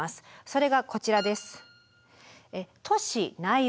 それがこちらです。